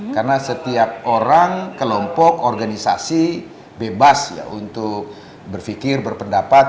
karena setiap orang kelompok organisasi bebas untuk berpikir berpendapat